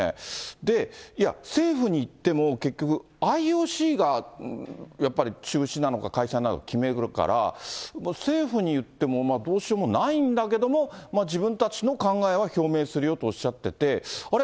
で、いや、政府に言っても、結局、ＩＯＣがやっぱり中止なのか、開催なのか決めるから、政府に言ってもどうしようもないんだけども、自分たちの考えは表明するよとおっしゃってて、あれ？